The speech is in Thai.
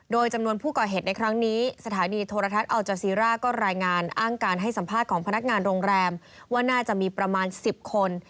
โดยจำนวนผู้ก่อเหตุในครั้งนี้สถานีโทรทัศน์อัลจาซีร่าก็รายงานอ้างการให้สัมภาษณ์ของพนักงานโรงแรมว่าน่าจะมีประมาณ๑๐คน